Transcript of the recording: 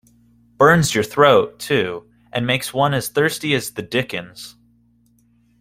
Burns your throat, too, and makes one as thirsty as the dickens.